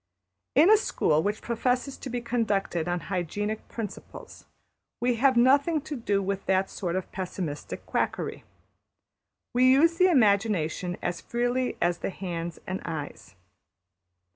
In a school which professes to be conducted on hygienic principles, we have nothing to do with that sort of pessimistic quackery. We use the imagination as freely as the hands and eyes.